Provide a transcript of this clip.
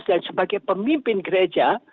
dan sebagai pemimpin gereja